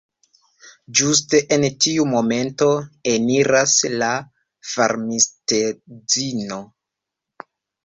Ĝuste en tiu momento eniras la farmistedzino.